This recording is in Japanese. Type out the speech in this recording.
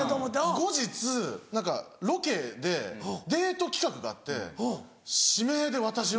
後日ロケでデート企画があって指名で私を。